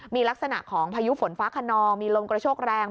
มีลักษณะของพายุฝนฟ้าขนองมีลมกระโชกแรง